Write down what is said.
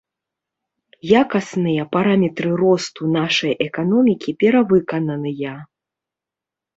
Якасныя параметры росту нашай эканомікі перавыкананыя.